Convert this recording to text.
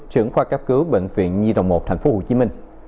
trưởng khoa cấp cứu bệnh viện nhi đồng một tp hcm